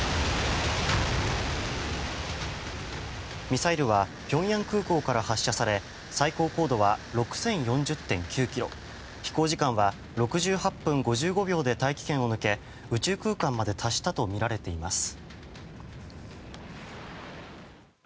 ミサイルはピョンヤン空港から発射され最高高度は６０４０．９ｋｍ飛行時間は６８分５５秒で大気圏を抜け宇宙空間まで達したとみられています。